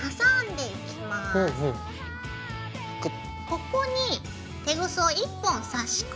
ここにテグスを１本さし込みます。